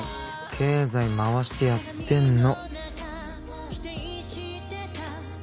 経済回してやってんの。